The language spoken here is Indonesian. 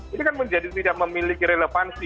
ini kan menjadi tidak memiliki relevansi